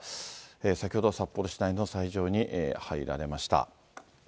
先ほど、札幌市内の斎場に入られました。